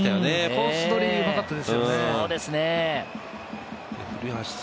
コース取りが、うまかったですよね。